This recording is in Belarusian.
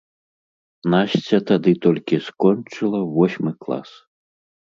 Насця тады толькі скончыла восьмы клас.